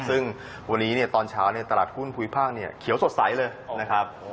ซึ่งวันนี้เนี่ยตอนเช้าเนี่ยตลาดหุ้นภูมิภาคเนี่ยเขียวสดใสเลยนะครับ